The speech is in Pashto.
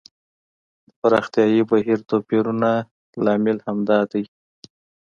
د پراختیايي بهیر توپیرونه لامل همدا دی.